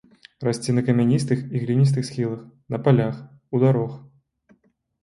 Расце па камяністых і гліністых схілах, на палях, у дарог.